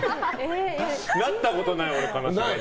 なったことない俺、金縛り。